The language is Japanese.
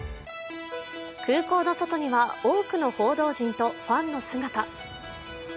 空港の外には多くの報道陣とファンの姿。